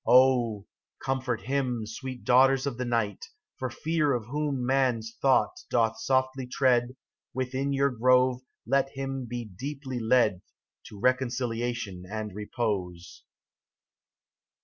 O comfort him, sweet daughters of the Night, For fear of whom man's thought doth softly tread ; Within your grove let him be deeply led To reconciliation and repose.